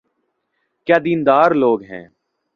کیا دین دار لوگ ہیں۔